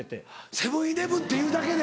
セブン−イレブンっていうだけで。